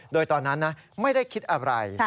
โดยตอนนั้นนะไม่ได้คิดอะไร